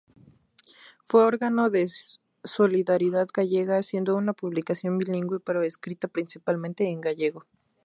Fue órgano de Solidaridad Gallega, siendo una publicación bilingüe pero escrita principalmente en gallego.